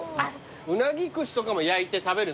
うなぎ串とかも焼いて食べるんすか？